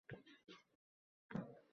ya’ni panarama diktati asosida ilindi